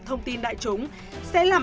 thông tin đại chúng sẽ làm